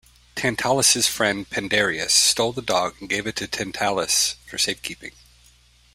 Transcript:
Tantalus's friend Pandareus stole the dog and gave it to Tantalus for safekeeping.